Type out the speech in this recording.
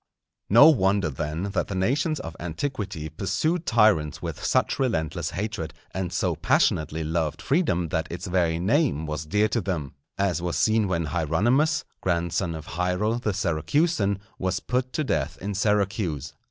No wonder, then, that the nations of antiquity pursued tyrants with such relentless hatred, and so passionately loved freedom that its very name was dear to them, as was seen when Hieronymus, grandson of Hiero the Syracusan, was put to death in Syracuse.